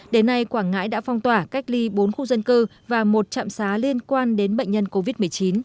đến nay quảng ngãi đã phong tỏa cách ly bốn khu dân cư và một trạm xá liên quan đến bệnh nhân covid một mươi chín